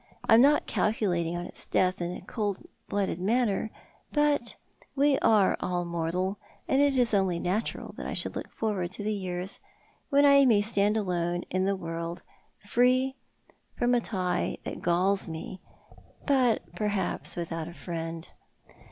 I am not calculating on his death in a cold blooded manner ; but we are all mortal, and it is only natural that I should look forward to the years when I may stand alone in the world, free from a tie that' galls me, but perhaps without a friend.